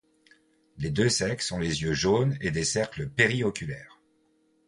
Les deux sexes ont les yeux jaunes et des cercles périoculaires.